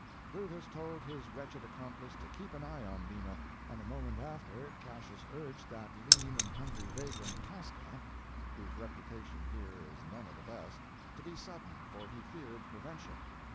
Brutus told his wretched accomplice to keep an eye on Lena, and a moment after Cassias urged that lean and hungry vagrant, Casca, whose reputation here is none of the best, to be sudden, for he feared prevention.